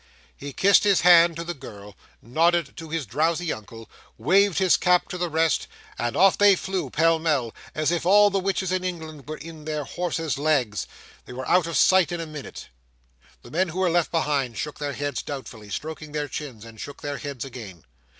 He kissed his hand to the girl, nodded to his drowsy uncle, waved his cap to the rest—and off they flew pell mell, as if all the witches in England were in their horses' legs. They were out of sight in a minute. The men who were left behind shook their heads doubtfully, stroked their chins, and shook their heads again.